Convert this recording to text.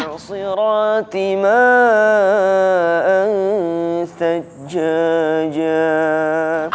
ma'asirati ma'an sajjajaa